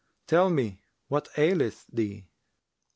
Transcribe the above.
Tell me what aileth thee.'